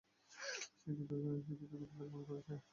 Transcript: সে কি তোকে ব্ল্যাকমেইল করছে?